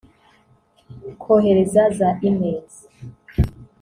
kohereza za e-mails